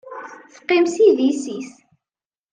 Teqqim s idis-is.